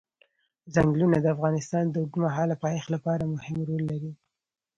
ځنګلونه د افغانستان د اوږدمهاله پایښت لپاره مهم رول لري.